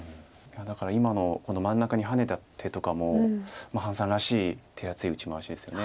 だから今のこの真ん中にハネた手とかも潘さんらしい手厚い打ち回しですよね。